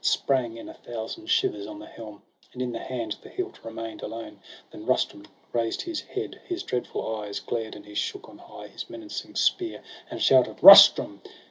Sprang in a thousand shivers on the helm, And in the hand the hilt remain'd alone. Then Rustum raised his head; his dreadful eyes Glared, and he shook on high his menacing spear, And shouted : Rustum